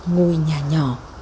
ngôi nhà nhỏ